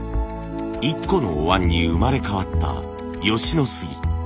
一個のお椀に生まれ変わった吉野杉。